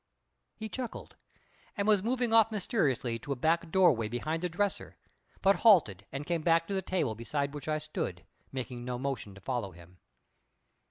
He chuckled, and was moving off mysteriously to a back doorway behind the dresser, but halted and came back to the table beside which I stood, making no motion to follow him.